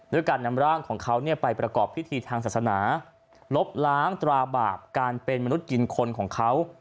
ด้วยการนำร่างของเขาไปประกอบพิธีทางศาสนาลบล้างตราบาปการเป็นมนุษย์กินคนของเขา